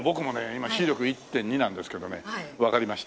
今視力１．２なんですけどねわかりました。